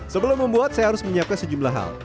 sebelum membuat saya harus menyiapkan sejumlah hal